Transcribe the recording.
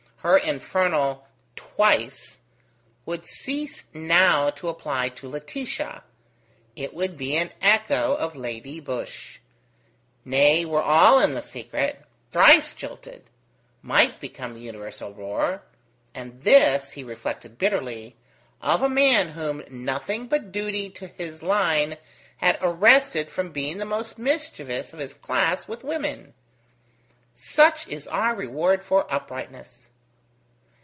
Her infernal "Twice!" would cease now to apply to Laetitia; it would be an echo of Lady Busshe. Nay, were all in the secret, Thrice jilted! might become the universal roar. And this, he reflected bitterly, of a man whom nothing but duty to his line had arrested from being the most mischievous of his class with women! Such is our reward for uprightness!